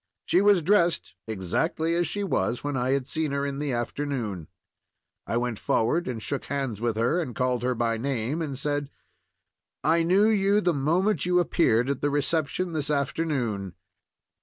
She was dressed exactly as she was when I had seen her in the afternoon. I went forward and shook hands with her and called her by name, and said: "I knew you the moment you appeared at the reception this afternoon."